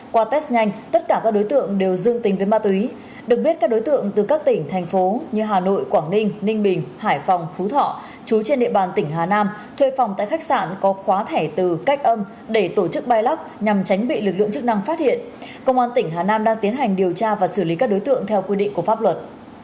qua test nhanh tất cả các đối tượng đều dương tính với ma túy được biết các đối tượng từ các tỉnh thành phố như hà nội quảng ninh ninh bình hải phòng phú thọ chú trên địa bàn tỉnh hà nam thuê phòng tại khách sạn có khóa thẻ từ cách âm để tổ chức bay lắc nhằm tránh bị lực lượng chức năng phát hiện công an tỉnh hà nam đang tiến hành điều tra và xử lý các đối tượng theo quy định của pháp luật